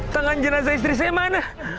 tangan jenazah istri saya mana